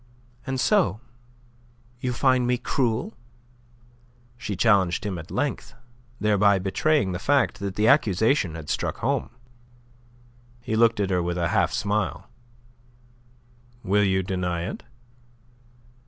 "And so, you find me cruel?" she challenged him at length, thereby betraying the fact that the accusation had struck home. He looked at her with a half smile. "Will you deny it?"